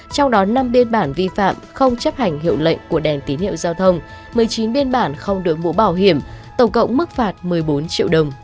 trong đó năm biên bản vi phạm không chấp hành hiệu lệnh của đèn tín hiệu giao thông một mươi chín biên bản không đổi mũ bảo hiểm tổng cộng mức phạt một mươi bốn triệu đồng